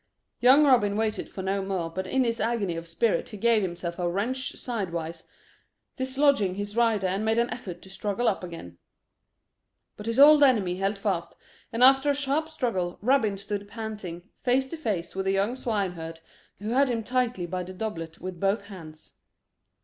Young Robin waited for no more, but in his agony of spirit he gave himself a wrench sidewise, dislodging his rider, and made an effort to struggle up again. But his old enemy held fast, and after a sharp struggle Robin stood panting, face to face with the young swineherd, who had him tightly by the doublet with both hands.